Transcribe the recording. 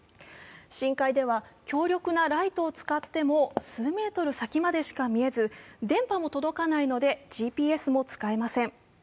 深海では強力なライトを使っても数メートル先までしか見えず、電波も届かないのでＧＰＳも使えません。